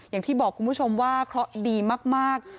อย่างที่บอกคุณผู้ชมว่าดีมาก